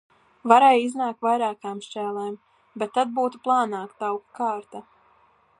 Varēja iznākt vairākām šķēlēm, bet tad būtu plānāka tauku kārta.